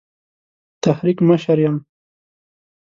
تحریک مشر یم.